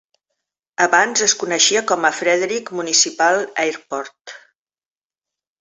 Abans es coneixia com a Frederick Municipal Airport.